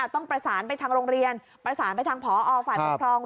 ต้องประสานไปทางโรงเรียนประสานไปทางพอฝ่ายปกครอง